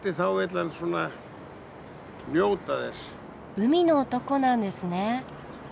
海の男なんですね。